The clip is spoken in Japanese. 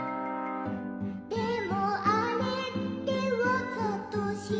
「でもあれってわざとしたかな？」